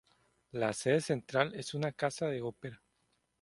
La sede central, es una Casa de Ópera.